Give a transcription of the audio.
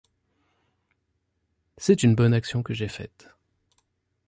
C'est une bonne action que j'ai faite.